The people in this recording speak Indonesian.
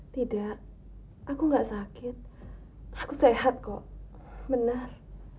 tidak aku nggak sakit aku sehat kok benar